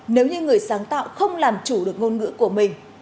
nếu như người sáng tạo không làm chủ được ngôn ngữ của mình